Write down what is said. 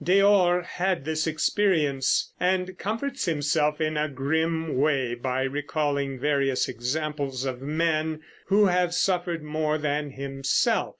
Deor had this experience, and comforts himself in a grim way by recalling various examples of men who have suffered more than himself.